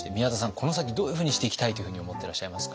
この先どういうふうにしていきたいというふうに思ってらっしゃいますか？